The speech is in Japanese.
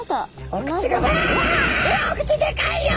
お口でかいよ。